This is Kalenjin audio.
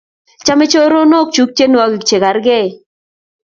chame choronok chuk tienwogik che kargei